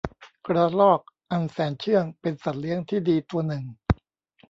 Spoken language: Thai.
กระรอกอันแสนเชื่องเป็นสัตว์เลี้ยงที่ดีตัวหนึ่ง